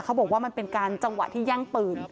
เขาบอกว่ามันเป็นการจังหวะที่แย่งปืน